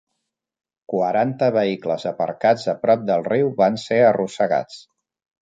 Quaranta vehicles aparcats a prop del riu van ser arrossegats.